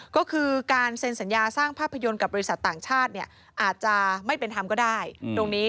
ก็คือการเซ็นสัญญาสร้างภาพยนตร์กับบริษัทต่างชาติอาจจะไม่เป็นธรรมก็ได้ตรงนี้